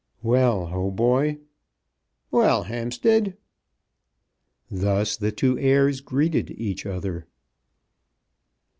"Well, Hautboy." "Well, Hampstead." Thus the two heirs greeted each other.